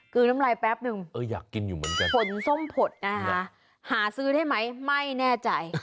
กลืนน้ำลายแป๊บนึงผลส้มผดนะคะหาซื้อได้ไหมไม่แน่ใจ